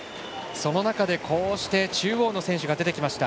その中で中央の選手が出てきました。